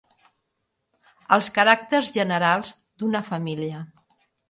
Els caràcters generals d'una família.